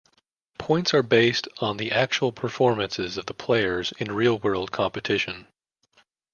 Points are based on the actual performances of the players in real-world competition.